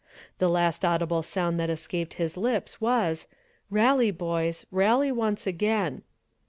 The last audible sound that escaped his lips was, 'Rally boys, rally once again!'